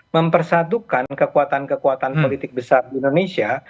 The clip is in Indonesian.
mempersatukan kekuatan kekuatan politik besar di indonesia